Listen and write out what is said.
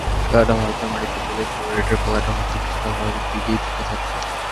খেলাটা ভারতের মাটিতে বলেই ফেবারিটের পাল্লাটা হয়তো কিছুটা ভারতের দিকেই ঝুঁকে থাকবে।